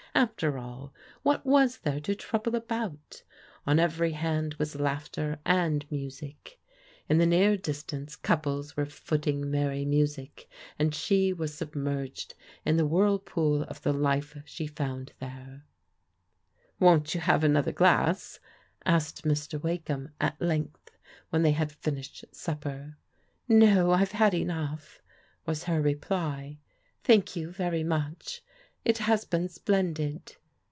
After all, what was there to trouble about ? On every hand was laughter and music. In the near distance couples were footing merry music, and she was submerged in the whirlpool of theilife she found there. 236 PRODIGAL DAU6HTEBS " Won't you have another glass ?•* asked Mr. Wake ham at length, when they had finished supper. " No, I've had enough/* was her reply. " Thank you very much. It has been splendid.